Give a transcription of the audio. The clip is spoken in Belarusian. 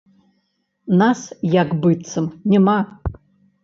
Нас як быццам няма.